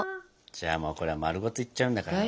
じゃあもうこれは丸ごといっちゃうんだからね。